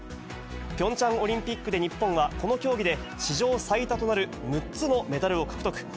ピョンチャンオリンピックで日本は、この競技で史上最多となる６つのメダルを獲得。